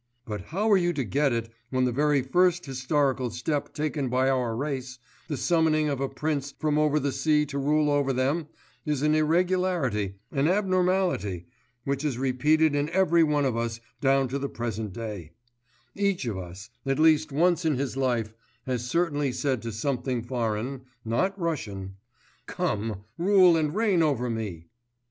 But how are you to get it when the very first historical step taken by our race the summoning of a prince from over the sea to rule over them is an irregularity, an abnormality, which is repeated in every one of us down to the present day; each of us, at least once in his life, has certainly said to something foreign, not Russian: "Come, rule and reign over me!"